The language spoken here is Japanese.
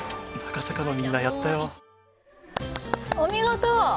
お見事！